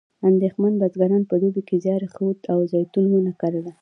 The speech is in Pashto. اندېښمن بزګران په دوبي کې زیار ایښود او زیتون ونه کرله.